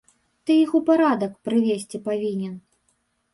Ты іх у парадак прывесці павінен.